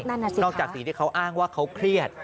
นั่นน่ะสินอกจากสิ่งที่เขาอ้างว่าเขาเครียด